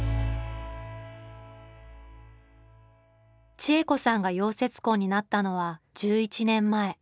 知恵子さんが溶接工になったのは１１年前。